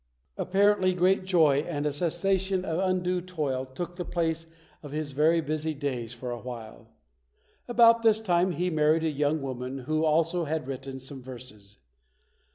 Apparently great joy and a cessation of undue toil took the place of his very busy days for a while. About this time, he married a young woman who also had written some verses.